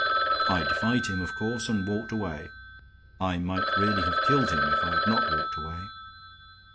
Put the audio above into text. I defied him, of course, and walked away. I might really have killed him if I had not walked away."